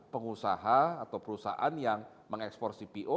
pengusaha atau perusahaan yang mengekspor cpo